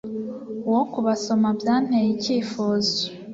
uwo kubasoma byanteye icyifuzo